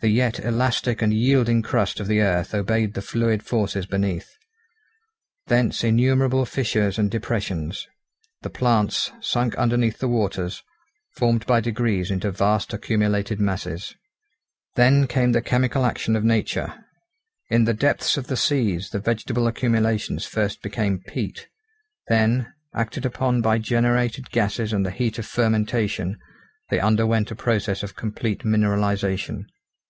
The yet elastic and yielding crust of the earth obeyed the fluid forces beneath. Thence innumerable fissures and depressions. The plants, sunk underneath the waters, formed by degrees into vast accumulated masses. Then came the chemical action of nature; in the depths of the seas the vegetable accumulations first became peat; then, acted upon by generated gases and the heat of fermentation, they underwent a process of complete mineralization.